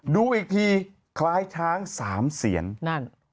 ดูอีกทีคล้ายช้าง๓เสียน